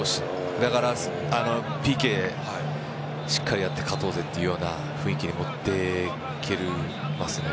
だからＰＫしっかりやって勝とうぜというような雰囲気に持っていけますね。